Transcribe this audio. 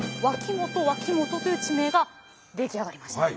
本脇本という地名が出来上がりました。